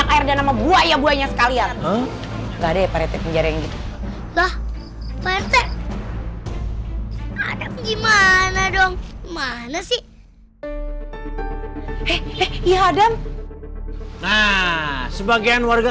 terus kita harus gimana dong